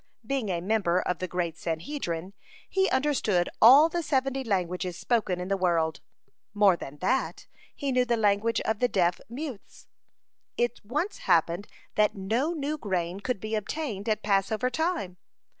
Being a member of the great Sanhedrin he understood all the seventy languages spoken in the world. (62) More than that, he knew the language of the deaf mutes. It once happened that no new grain could be obtained at Passover time.